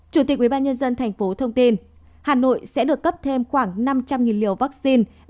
chủ tịch ubnd tp thông tin hà nội sẽ được cấp thêm khoảng năm trăm linh liều vaccine